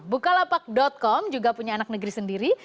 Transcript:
bukalapak com juga punya anak negeri sendiri